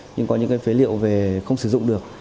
nhưng có những cái phế liệu về không sử dụng được